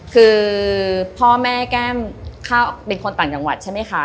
คือพ่อแม่แก้มเป็นคนต่างจังหวัดใช่ไหมคะ